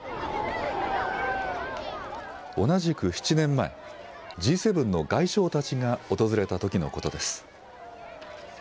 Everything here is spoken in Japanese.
同じく７年前、Ｇ７の外相たちが訪れたときのことです。